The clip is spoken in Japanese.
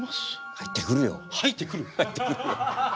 入ってくるよ。